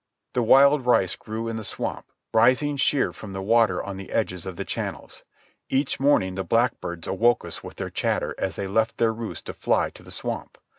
The wild rice grew in the swamp, rising sheer from the water on the edges of the channels. Each morning the blackbirds awoke us with their chatter as they left their roosts to fly to the swamp.